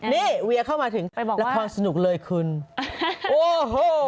นี่เวียเข้ามาถึงละครสนุกเลยคุณโอ้โห